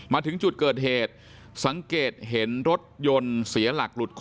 มาถึงจุดเกิดเหตุสังเกตเห็นรถยนต์เสียหลักหลุดคอ